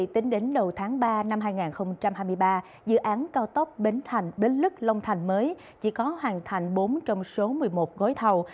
tính đến đầu tháng ba năm hai nghìn hai mươi ba dự án cao tốc bến thành bến lức long thành mới chỉ có hoàn thành bốn trong số một mươi một gói thầu